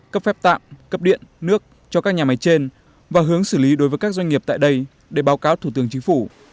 cấp phép tạm cấp điện nước cho các nhà máy trên và hướng xử lý đối với các doanh nghiệp tại đây để báo cáo thủ tướng chính phủ